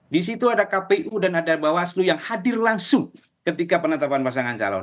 di situ ada kpu dan ada bawaslu yang hadir langsung ketika penetapan pasangan calon